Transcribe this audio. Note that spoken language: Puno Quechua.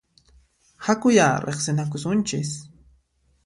Hakuyá riqsinakusunchis!